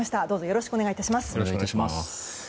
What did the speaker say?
どうぞよろしくお願い致します。